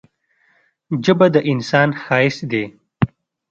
ژبه د انسان ښايست دی.